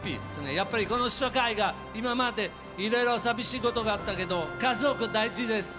やっぱり、この社会がいろいろ寂しいことがあったけど家族は大事です。